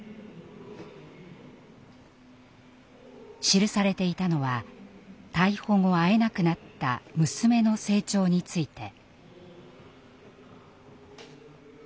記されていたのは逮捕後会えなくなった娘の成長について。